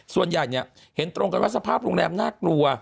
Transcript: ส่วนใหญ่เห็นตรงกันว่าสภาพโรงแรมน่ากลัว